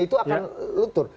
itu akan lutur